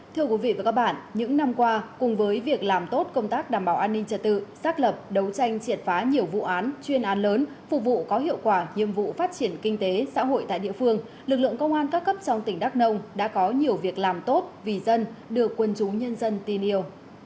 thưa quý vị và các bạn những năm qua cùng với việc làm tốt công tác đảm bảo an ninh trật tự xác lập đấu tranh triệt phá nhiều vụ án chuyên an lớn phục vụ có hiệu quả nhiệm vụ phát triển kinh tế xã hội tại địa phương lực lượng công an các cấp trong tỉnh đắk nông đã có nhiều việc làm tốt vì dân được quân chú nhân dân tin yêu